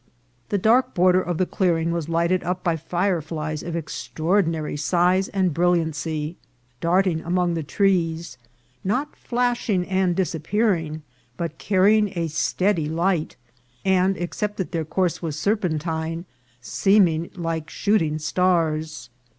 The dark border of the clearing was lighted up by fireflies of ex traordinary size and brilliancy darting among the trees, not flashing and disappearing, but carrying a steady light ; and, except that their course was serpentine, seeming like shooting stars.